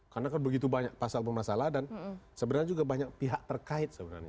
karena kan begitu banyak pasal bermasalah dan sebenarnya juga banyak pihak terkait sebenarnya